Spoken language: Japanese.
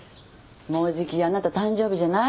もうじきあなた誕生日じゃない？